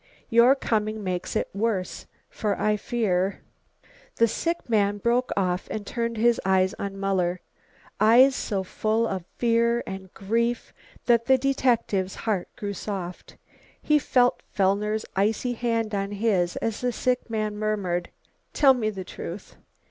Your coming makes it worse, for I fear " The sick man broke off and turned his eyes on Muller; eyes so full of fear and grief that the detective's heart grew soft. He felt Fellner's icy hand on his as the sick man murmured: "Tell me the truth!